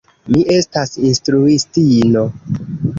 Mi estas instruistino.